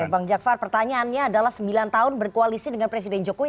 bang jakvar pertanyaannya adalah sembilan tahun berkoalisi dengan presiden jokowi